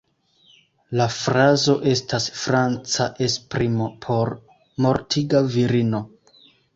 La frazo estas franca esprimo por "mortiga virino".